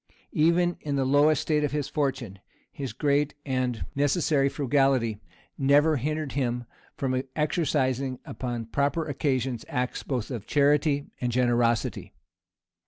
Even in the lowest state of his fortune, his great and necessary frugality never hindered him from exercising, upon proper occasions, acts both of charity and generosity.